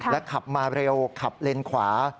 ขับมาเร็วขับเลนขวา